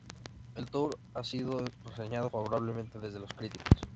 El tour ha sido reseñado favorablemente desde los críticos.